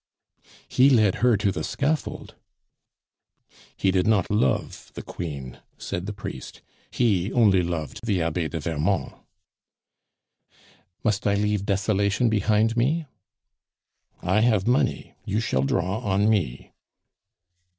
"He led her to the scaffold." "He did not love the Queen," said the priest. "HE only loved the Abbe de Vermont." "Must I leave desolation behind me?" "I have money, you shall draw on me."